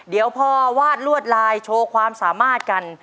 เดี๋ยวพอวาดลวดลายโชว์ความสามารถกัน